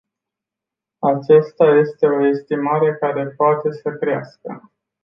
Aceasta este o estimare care poate să crească.